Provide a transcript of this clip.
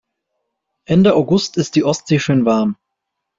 Ende August ist die Ostsee schön warm.